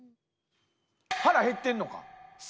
腹減ってんのか。